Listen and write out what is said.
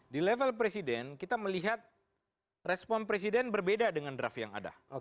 di level presiden kita melihat respon presiden berbeda dengan draft yang ada